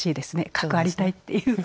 かくありたいっていう。